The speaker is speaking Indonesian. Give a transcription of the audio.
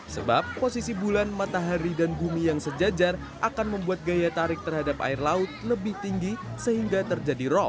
sebab posisi bulan matahari dan bumi yang sejajar akan membuat gaya tarik terhadap air laut lebih tinggi sehingga terjadi roll